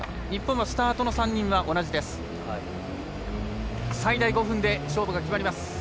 日本、スタートの３人は同じです。